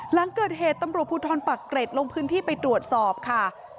หลังเกิดเหตุตำรวจภูทรปักเกร็ดลงพื้นที่ไปตรวจสอบค่ะ